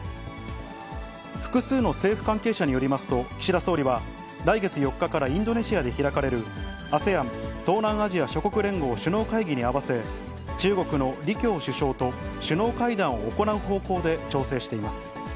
複数の政府関係者によりますと、岸田総理は来月４日からインドネシアで開かれるＡＳＥＡＮ・東南アジア諸国連合首脳会議に合わせ、中国の李強首相と首脳会談を行う方向で調整しています。